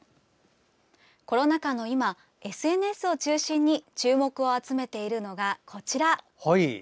コロナ禍の今ＳＮＳを中心に注目を集めているのがこちら。